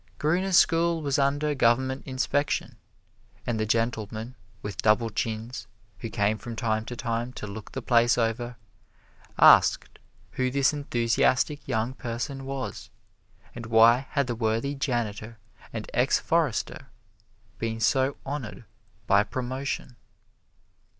Gruner's school was under government inspection, and the gentlemen with double chins, who came from time to time to look the place over, asked who this enthusiastic young person was, and why had the worthy janitor and ex forester been so honored by promotion.